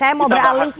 saya mau beralih ke